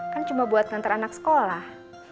kan cuma buat ngantar anak sekolah